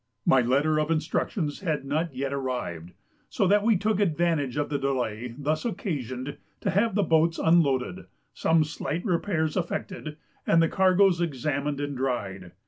My letter of instructions had not yet arrived, so that we took advantage of the delay thus occasioned to have the boats unloaded, some slight repairs effected, and the cargoes examined and dried.